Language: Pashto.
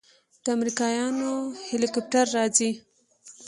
د امريکايانو هليكاپټر راځي.